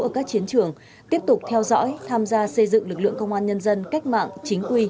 ở các chiến trường tiếp tục theo dõi tham gia xây dựng lực lượng công an nhân dân cách mạng chính quy